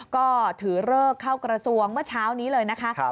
ก็ถือเลิกเข้ากระทรวงเมื่อเช้านี้เลยนะคะ